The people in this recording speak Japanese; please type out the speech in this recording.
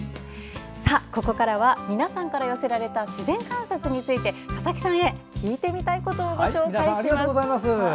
ここからは皆さんから寄せられた自然観察について佐々木さんへ聞いてみたいことをご紹介します。